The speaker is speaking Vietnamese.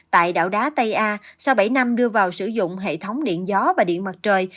tại đảo đá tây a sau bảy năm đưa vào sử dụng hệ thống điện gió và điện mặt trời